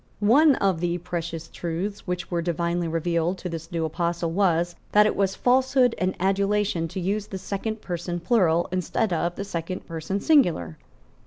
One of the precious truths which were divinely revealed to this new apostle was, that it was falsehood and adulation to use the second person plural instead of the second person singular.